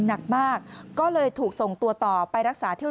หนักมากก็เลยถูกส่งตัวต่อไปรักษาเที่ยว